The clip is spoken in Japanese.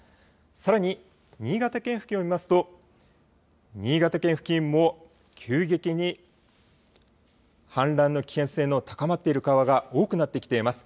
さらに新潟県付近を見ますと、新潟県付近も急激に氾濫の危険性の高まっている川が多くなってきてます。